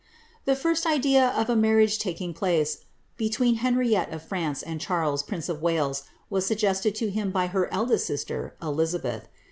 * The first idea of a marriage taking place between Henriette of France and Charles, prince of Wales, was suggested to him by her eldest sister, Diabeth.